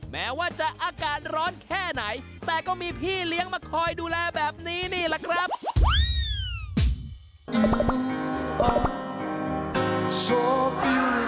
แม้ว่าจะอากาศร้อนแค่ไหนแต่ก็มีพี่เลี้ยงมาคอยดูแลแบบนี้นี่แหละครับ